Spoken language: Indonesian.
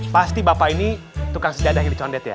pasti bapak ini tukang sejadah hiri condet ya